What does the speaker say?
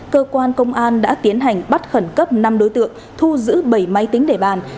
cơ quan công an đã tiến hành bắt khẩn cấp năm đối tượng thu giữ bảy máy tính để bàn